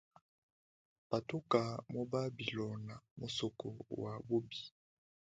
Patuka mu babilona musoko wa bubi.